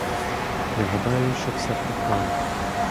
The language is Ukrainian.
Я гадаю, що все пропало.